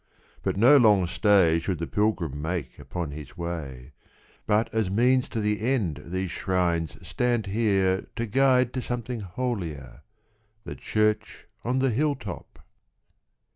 But no long stay Should the pilgrim make upon his way; But as means to the end these shrines stand here To guide to something holier, The church on the hilltop.